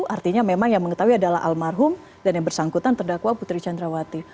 artinya memang yang mengetahui adalah almarhum dan yang bersangkutan terdakwa putri candrawati